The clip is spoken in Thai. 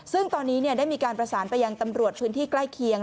ซึ่งตอนนี้ได้มีการประสานไปยังตำรวจพื้นที่ใกล้เคียง